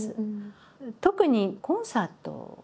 特にコンサートかな。